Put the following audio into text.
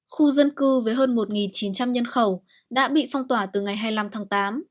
khu dân cư với hơn một chín trăm linh nhân khẩu đã bị phong tỏa từ ngày hai mươi năm tháng tám